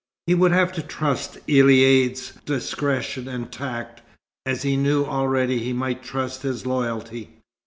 He would have to trust Elaïd's discretion and tact, as he knew already he might trust his loyalty.